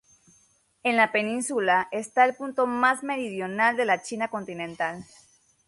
En la península está el punto más meridional de la China continental.